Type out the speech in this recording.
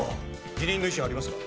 辞任の意思はありますか？